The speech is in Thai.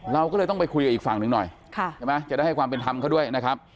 เราก็เลยต้องไปคุยกับอีกฝั่งหนึ่งหน่อยใช่ไหมจะได้ให้ความเป็นธรรมเขาด้วยนะครับ